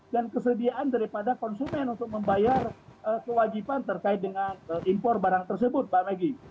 dan kesediaan daripada konsumen untuk membayar kewajiban terkait dengan impor barang tersebut mbak maggie